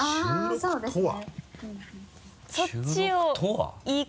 そうですね